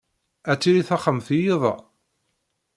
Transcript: Ad tili texxamt i yiḍ-a?